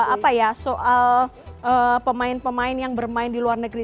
apa ya soal pemain pemain yang bermain di luar negeri